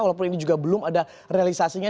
walaupun ini juga belum ada realisasinya